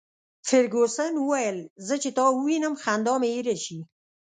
فرګوسن وویل: زه چي تا ووینم، خندا مي هېره شي.